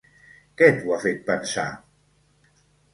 Què t'ho ha fet pensar?